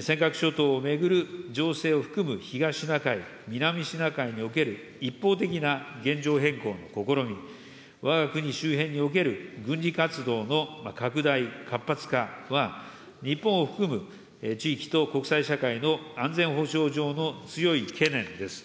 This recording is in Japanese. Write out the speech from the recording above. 尖閣諸島を巡る情勢を含む東シナ海、南シナ海における一方的な現状変更の試み、わが国周辺における軍事活動の拡大・活発化は、日本を含む地域と国際社会の安全保障上の強い懸念です。